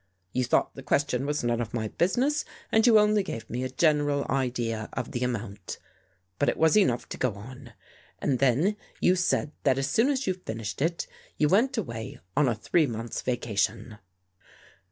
You thought the question was none of my business and you only gave me a general idea of the amount, but it was enough to go on. And then you said that as soon as you fin ished it, you went away on a three months' vacation."